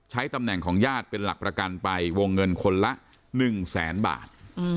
ตำแหน่งของญาติเป็นหลักประกันไปวงเงินคนละ๑แสนบาท